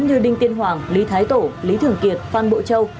như đinh tiên hoàng lý thái tổ lý thường kiệt phan bộ châu